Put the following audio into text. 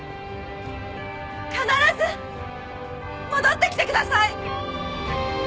必ず戻ってきてください